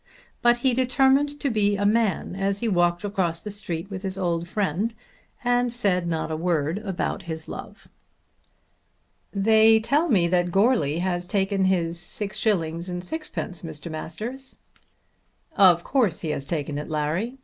But he determined to be a man as he walked across the street with his old friend, and said not a word about his love. "They tell me that Goarly has taken his 7_s._ 6_d._, Mr. Masters." "Of course he has taken it, Larry.